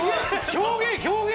表現表現！